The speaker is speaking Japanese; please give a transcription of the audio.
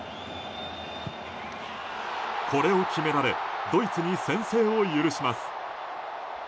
これを決められドイツに先制を許します。